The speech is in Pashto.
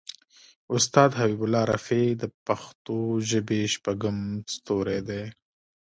استاد حبیب الله رفیع د پښتو ژبې شپږم ستوری دی.